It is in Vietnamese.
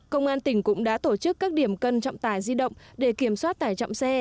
công an tỉnh cũng đã tổ chức các điểm cân trọng tải di động để kiểm soát tải trọng xe